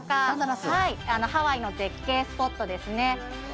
はいハワイの絶景スポットです